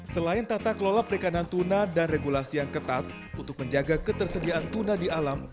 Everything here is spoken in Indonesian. selain tata kelola perikanan tuna dan regulasi yang ketat untuk menjaga ketersediaan tuna di alam